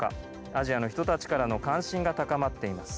アジアの人たちからの関心が高まっています。